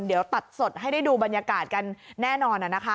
เดี๋ยวตัดสดให้ได้ดูบรรยากาศกันแน่นอนนะคะ